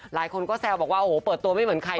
หลายคนก็แซวบอกว่าโอ้โหเปิดตัวไม่เหมือนใคร